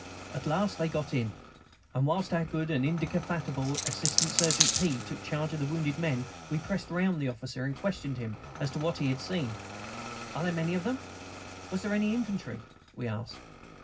At last they got in, and whilst our good and indefatigable Assistant Surgeon P. took charge of the wounded men we pressed round the officer and questioned him as to what he had seen. "Are there many of them?" "Was there any infantry?" we asked.